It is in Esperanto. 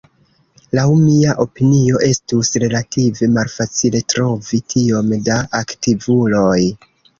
Laŭ mia opinio estus relative malfacile trovi tiom da aktivuloj.